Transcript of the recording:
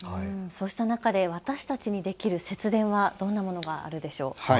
そうした中で私たちにできる節電はどんなものがありますか。